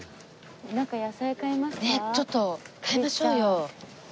ねえちょっと買いましょうよ。